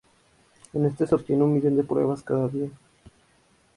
En este se obtiene un millón de pruebas cada día.